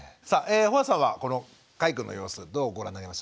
帆足さんはこのかいくんの様子どうご覧になりましたか？